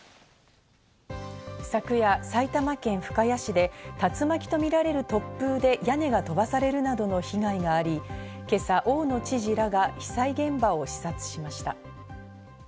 昨夜、埼玉県深谷市で竜巻とみられる突風で屋根が飛ばされるなどの被害があり、今朝、大野知事らが被災現場を視察しました。